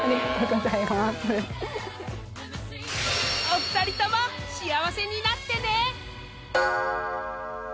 ［お二人とも幸せになってね！］